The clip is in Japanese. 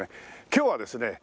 今日はですね